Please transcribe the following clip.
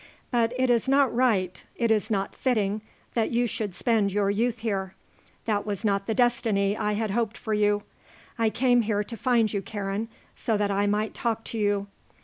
"But it is not right, it is not fitting, that you should spend your youth here. That was not the destiny I had hoped for you. I came here to find you, Karen, so that I might talk to you."